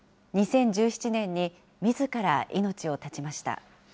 ２０１７年にみずから命を絶ちました。